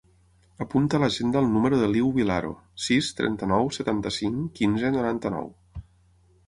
Apunta a l'agenda el número de l'Iu Vilaro: sis, trenta-nou, setanta-cinc, quinze, noranta-nou.